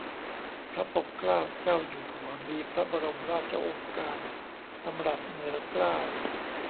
พระปกเกล้าเจ้าอยู่หัว มีพระบรมราชโองการดำรัสเหนือเกล้า